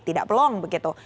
tidak pelong begitu